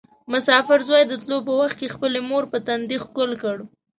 مسافر زوی د تلو په وخت کې خپلې مور په تندي ښکل کړ.